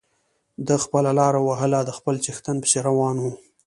ده خپله لاره وهله د خپل څښتن پسې روان و.